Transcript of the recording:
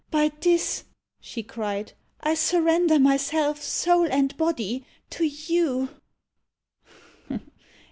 "By this," she cried, "I surrender myself, soul and body, to you?"